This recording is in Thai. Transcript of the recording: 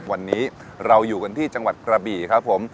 วันนี้เราอยู่กันที่จังหวัดกระบี่ครับผม